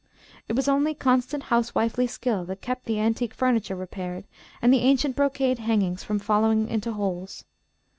It was only constant housewifely skill that kept the antique furniture repaired and the ancient brocade hangings from falling into holes.